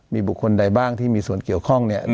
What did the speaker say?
มีบุคคลใดบ้างที่มีส่วนเกี่ยวข้อง